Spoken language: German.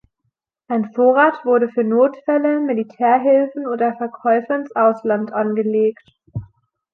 Ein Vorrat wurde für Notfälle, Militärhilfen oder Verkäufe ins Ausland angelegt.